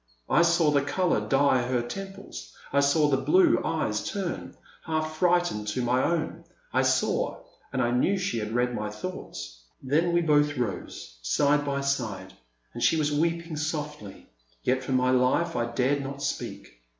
I saw the colour dye her temples, I saw the blue eyes turn, half frightened to my own, I saw — and I knew she had read my thoughts. Then we both rose, side by side, and she was weeping softly, yet for my life I dared not speak.